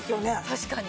確かに。